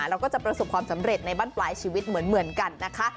แล้วก็จะประสบความสำเร็จในบ้านปลายชีวิตเหมือนกันนะคะ